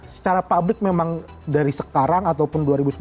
secara publik memang dari sekarang ataupun dua ribu sembilan belas